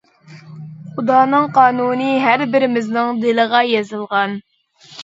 خۇدانىڭ قانۇنى ھەر بىرىمىزنىڭ دىلىغا يېزىلغان.